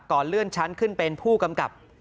เลื่อนชั้นขึ้นเป็นผู้กำกับ